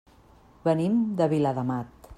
Venim de Viladamat.